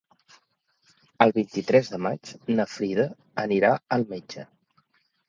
El vint-i-tres de maig na Frida anirà al metge.